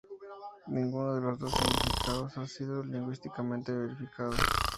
Ninguno de los dos significados ha sido lingüísticamente verificado.